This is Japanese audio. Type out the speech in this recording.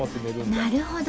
なるほど。